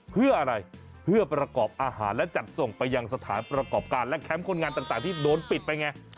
เพื่ออะไรเพื่อประกอบอาหารและจัดส่งไปยังสถานประกอบการและแคมป์คนงานต่างที่โดนปิดไปไง